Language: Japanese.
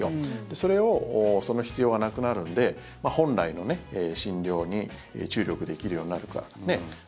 それをその必要がなくなるんで本来の診療に注力できるようになる。